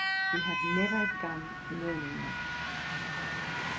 we have never done learning them.